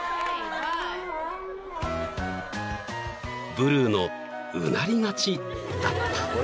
［ブルーのうなり勝ちだった］